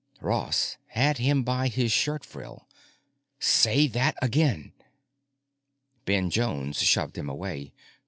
Ross had him by his shirt frill. "Say that again!" Ben Jones shoved him away.